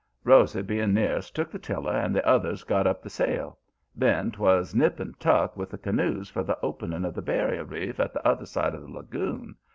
"Rosy, being nearest, took the tiller and the others got up the sail. Then 'twas nip and tuck with the canoes for the opening of the barrier reef at the other side of the lagoon.